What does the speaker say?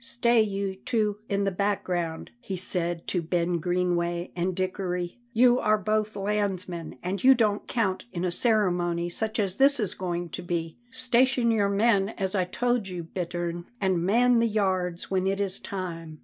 "Stay you two in the background," he said to Ben Greenway and Dickory; "you are both landsmen, and you don't count in a ceremony such as this is going to be. Station your men as I told you, Bittern, and man the yards when it is time."